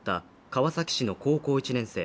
川崎市の高校１年生